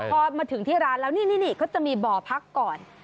พอมาถึงที่ร้านแล้วนี่เขาจะมีบ่อพักก่อน